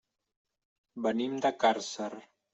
Venim de Càrcer.